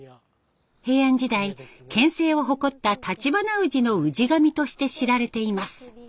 平安時代権勢を誇った橘氏の氏神として知られています。